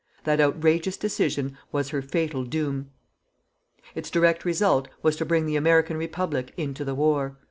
That outrageous decision was her fatal doom. Its direct result was to bring the American Republic into the war.